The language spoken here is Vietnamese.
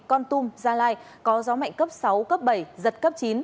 con tum gia lai có gió mạnh cấp sáu cấp bảy giật cấp chín